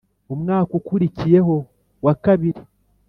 umwaka ukurikiye ho wa kabiri